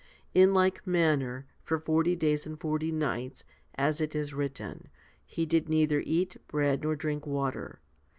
, l In like manner, for forty days and forty nights, as it is written, he did neither eat bread nor drink water.